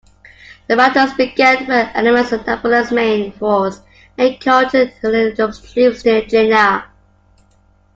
The battles began when elements of Napoleon's main force encountered Hohenlohe's troops near Jena.